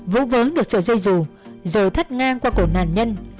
vũ vớn được sợi dây dù rồi thắt ngang qua cổ nàn nhân